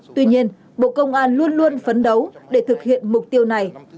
tuy nhiên bộ công an luôn luôn phấn đấu để thực hiện mục tiêu này